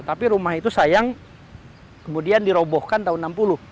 tapi rumah itu sayang kemudian dirobohkan tahun seribu sembilan ratus enam puluh